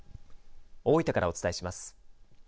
大分からお伝えします。